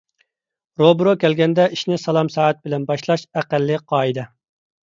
روبىرو كەلگەندە ئىشنى سالام - سەھەت بىلەن باشلاش ئەقەللىي قائىدە.